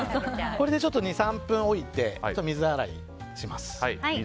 これで２３分置いて水洗いします。